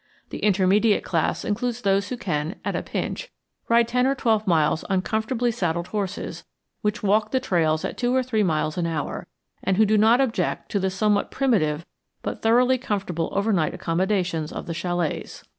The intermediate class includes those who can, at a pinch, ride ten or twelve miles on comfortably saddled horses which walk the trails at two or three miles an hour, and who do not object to the somewhat primitive but thoroughly comfortable overnight accommodations of the chalets.